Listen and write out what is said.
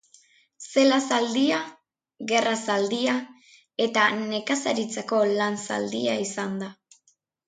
Zela zaldia, gerra zaldia eta nekazaritzarako lan zaldia izan da.